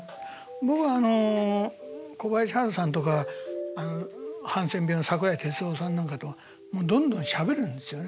僕は小林ハルさんとかハンセン病の桜井哲夫さんなんかとどんどんしゃべるんですよね。